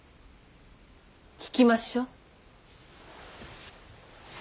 聞きましょう。